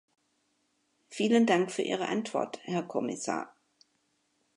Vielen Dank für Ihre Antwort, Herr Kommissar.